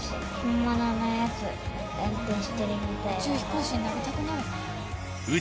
宇宙飛行士になりたくなるね。